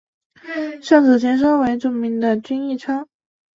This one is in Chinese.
上址前身为著名的均益仓。